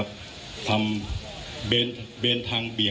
คุณผู้ชมไปฟังผู้ว่ารัฐกาลจังหวัดเชียงรายแถลงตอนนี้ค่ะ